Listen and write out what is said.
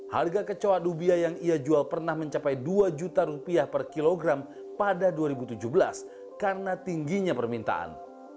harga kecoa dubia yang ia jual pernah mencapai dua juta rupiah per kilogram pada dua ribu tujuh belas karena tingginya permintaan